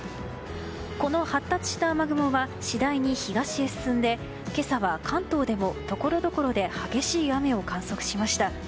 この発達した雨雲は次第に東へ進んで今朝は、関東でもところどころで激しい雨を観測しました。